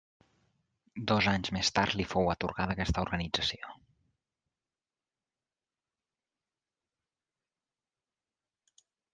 Dos anys més tard li fou atorgada aquesta organització.